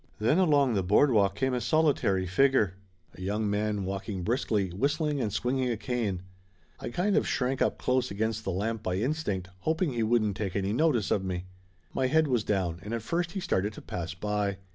Then along the boardwalk come a solitary figure a young man walking briskly, whistling and swinging a cane. I kind of shrank up close against the lamp by instinct, hoping he wouldn't take any notice of me. My head was down and at first he started to pass by.